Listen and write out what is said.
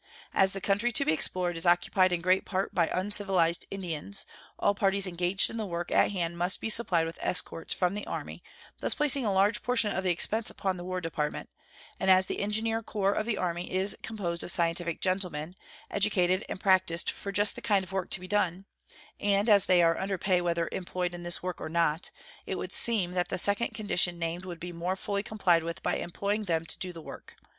As the country to be explored is occupied in great part by uncivilized Indians, all parties engaged in the work at hand must be supplied with escorts from the Army, thus placing a large portion of the expense upon the War Department; and as the Engineer Corps of the Army is composed of scientific gentlemen, educated and practiced for just the kind of work to be done, and as they are under pay whether employed in this work or not, it would seem that the second condition named would be more fully complied with by employing them to do the work.